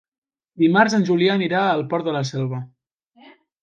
Dimarts en Julià anirà al Port de la Selva.